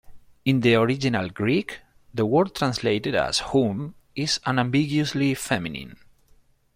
In the original Greek, the word translated as "whom" is unambiguously feminine.